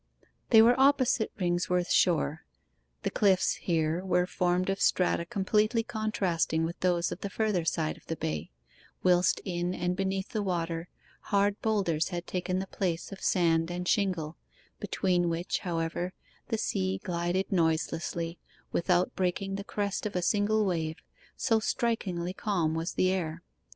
They were opposite Ringsworth Shore. The cliffs here were formed of strata completely contrasting with those of the further side of the Bay, whilst in and beneath the water hard boulders had taken the place of sand and shingle, between which, however, the sea glided noiselessly, without breaking the crest of a single wave, so strikingly calm was the air.